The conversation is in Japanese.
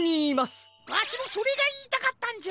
わしもそれがいいたかったんじゃ！